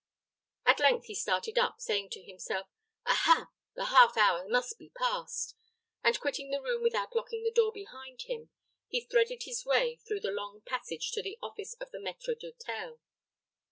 At length he started up, saying to himself, "Ah, ha! the half hour must be past;" and quitting the room without locking the door behind him, he threaded his way through the long passage to the office of the maître d'hôtel.